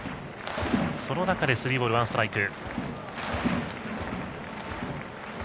その中でスリーボールワンストライク。